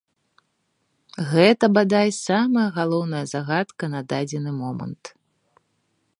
Гэта, бадай, самая галоўная загадка на дадзены момант.